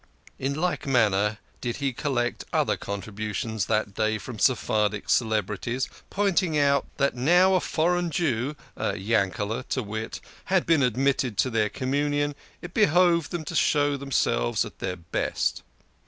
In like manner did he collect other contributions that 140 THE KING OF SCHNORRERS. day from Sephardic celebrities, pointing out that now a foreign Jew Yankel6 to wit had been admitted to their communion, it behoved them to show themselves at their best.